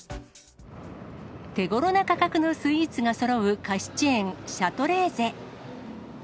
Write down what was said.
手ごろな価格のスイーツがそろう菓子チェーン、シャトレーゼ。